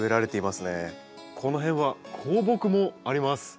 この辺は高木もあります。